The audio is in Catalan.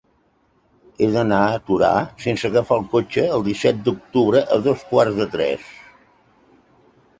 He d'anar a Torà sense agafar el cotxe el disset d'octubre a dos quarts de tres.